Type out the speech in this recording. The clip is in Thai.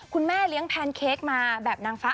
คุณแม่เลี้ยงแพนเค้กมาแบบนางฟ้า